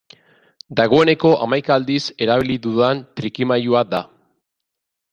Dagoeneko hamaika aldiz erabili dudan trikimailua da.